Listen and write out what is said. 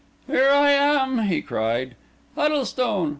"Here am I!" he cried—"Huddlestone!